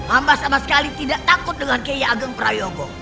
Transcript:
amba sama sekali tidak takut dengan kiai ageng prayogo